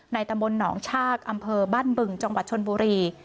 ตำบลหนองชากอำเภอบ้านบึงจังหวัดชนบุรี